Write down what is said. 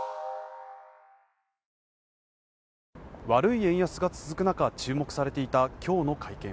悪い円安が続く中、注目されていた今日の会見。